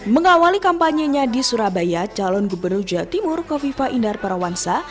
mengawali kampanyenya di surabaya calon gubernur jawa timur kofifa indar parawansa